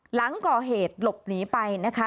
หลังก่อเหตุหลบหนีไปนะคะ